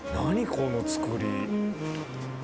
この造り。